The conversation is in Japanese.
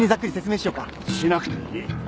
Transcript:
しなくていい。